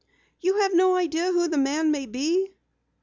"You have no idea who the man may be?"